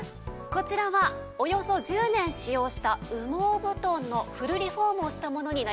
こちらはおよそ１０年使用した羽毛布団のフルリフォームをしたものになります。